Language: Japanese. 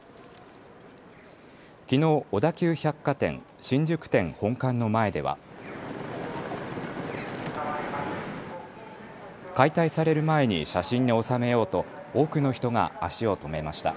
きのう、小田急百貨店新宿店本館の前では解体される前に写真に収めようと多くの人が足を止めました。